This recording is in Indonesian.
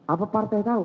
apa partai tahu